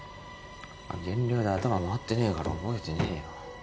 減量で頭回ってねえから覚えてねえよ。